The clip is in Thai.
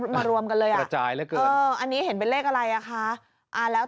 กันยังไม่มารวมกันเลยอ่ะอันนี้เห็นเป็นเลขอะไรอ่ะคะแล้ว